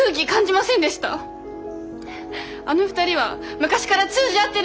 あの２人は昔から通じ合ってる。